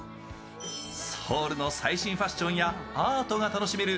ソウルの最新ファッションやアートが楽しめる